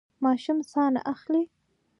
ماشوم ساه نه اخلي.